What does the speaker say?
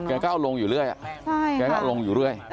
เนอะแกก็เอาลงอยู่เรื่อยอ่ะใช่ค่ะแกก็เอาลงอยู่เรื่อยนะฮะ